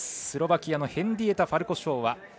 スロバキアのヘンリエタ・ファルコショーワ。